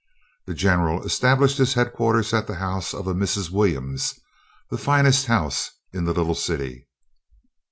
The General established his headquarters at the house of a Mrs. Williams, the finest house in the little city.